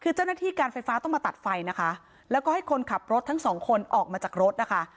คือเจ้าหน้าที่การไฟฟ้าต้องมาตัดไฟนะคะแล้วก็ให้คนขับรถทั้งสองคนออกมาจากรถนะคะ